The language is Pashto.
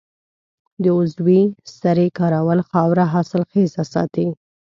د عضوي سرې کارول خاوره حاصلخیزه ساتي.